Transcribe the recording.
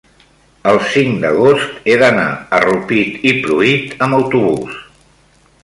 el cinc d'agost he d'anar a Rupit i Pruit amb autobús.